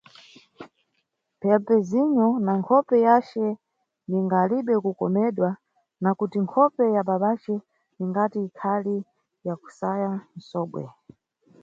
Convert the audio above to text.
"Phelpesinho", na nkhope yace, ninga alibe kukomedwa, na kuti nkhope ya babace ningati ikhali ya kusaya nsobwe.